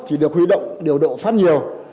thì được huy động điều độ phát nhiều